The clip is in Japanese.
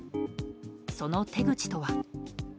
その手口とは。